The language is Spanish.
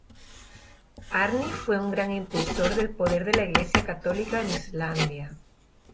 Árni fue un gran impulsor del poder de la Iglesia católica en Islandia.